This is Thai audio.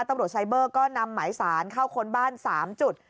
ตำรวจไซเบอร์ก็นำหมายสารเข้าค้นบ้าน๓จุด